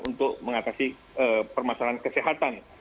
untuk mengatasi permasalahan kesehatan